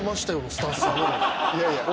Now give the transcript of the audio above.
いやいや。